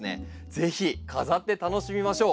ぜひ飾って楽しみましょう。